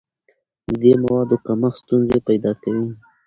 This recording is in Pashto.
د دې موادو کمښت ستونزې پیدا کوي.